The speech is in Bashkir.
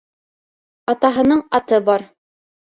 Атаһының аты бар